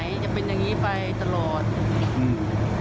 จะเป็นอย่างงี้ไปตลอดอืม